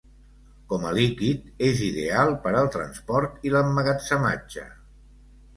Com a líquid, és ideal per al transport i l'emmagatzematge.